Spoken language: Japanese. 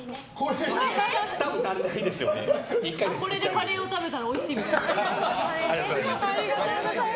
これでカレーを食べたらおいしそう。